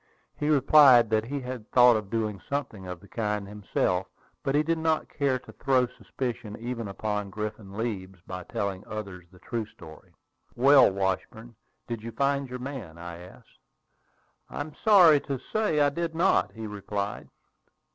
He replied that he had thought of doing something of the kind himself; but he did not care to throw suspicion even upon Griffin Leeds by telling others the true story. "Well, Washburn, did you find your man?" I asked. "I am sorry to say I did not," he replied.